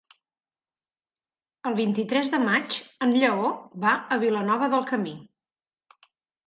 El vint-i-tres de maig en Lleó va a Vilanova del Camí.